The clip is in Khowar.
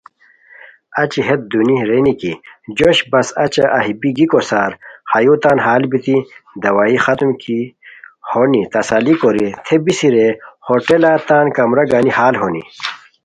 اچی ہیت دونی رینی کی جوش بسہ ایہہ بی گیکو سار ہایوتان حال بیتی دوائی ختم کی ہونی تسلی کوری تھے بیسی رے، ہوٹلہ تان کمرہ گنی حال ہونی